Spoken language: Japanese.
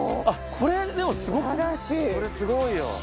これすごいよ。